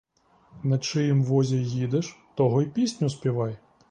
На чиїм возі їдеш, того й пісню співай!